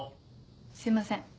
すいません。